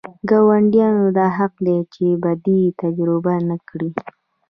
ګاونډیانو دا حق دی چې بدي تجربه نه کړي.